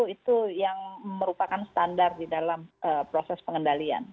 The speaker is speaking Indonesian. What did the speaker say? itu yang merupakan standar di dalam proses pengendalian